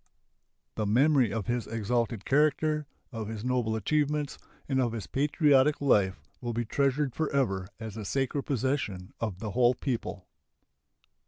The memory of his exalted character, of his noble achievements, and of his patriotic life will be treasured forever as a sacred possession of the whole people.